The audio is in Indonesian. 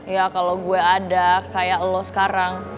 ya kalau gue ada kayak lo sekarang